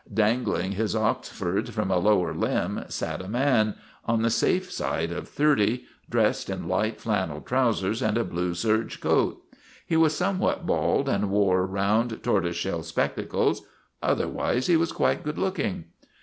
Dangling his ox fords from a lower limb sat a man, on the safe side of thirty, dressed in light flannel trousers and a blue serge coat. He was somewhat bald and wore round, tortoise shell spectacles ; otherwise he was quite good looking.